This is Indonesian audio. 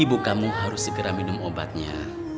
ibu kamu harus segera minum obatnya